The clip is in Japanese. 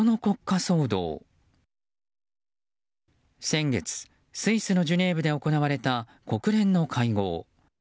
先月、スイスのジュネーブで行われた国連の会合。